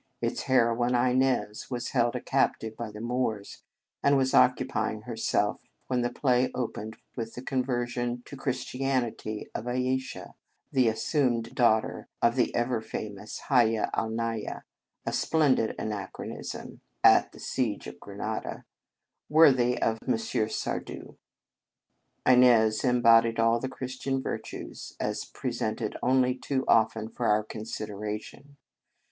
Its heroine, Inez, was held a captive by the Moors, and was occupying her self when the play opened with the conversion to Christianity of Ayesha, the assumed daughter of the ever famous Hiaya Alnayar, a splendid anachronism (at the siege of Granada), worthy of M. Sardou. Inez embodied all the Christian virtues, as presented only too often for our consideration.